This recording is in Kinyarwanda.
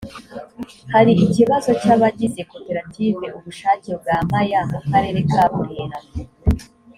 hari ikibazo cy’abagize koperative ubushake bwa maya mu karere ka burera